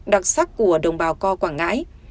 đặc sắc của đồng bào co quảng ngãi